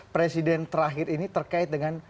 presiden terakhir ini terkait dengan